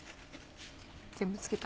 全部付けた？